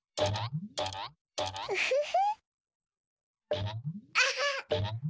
ウフフ。